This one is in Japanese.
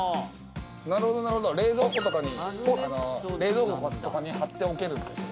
なるほどなるほど冷蔵庫とかに冷蔵庫とかに貼っておけるんだよ